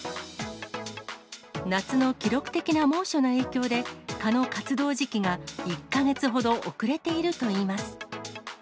夏の記録的な猛暑の影響で、蚊の活動時期が１か月ほど遅れているといいます。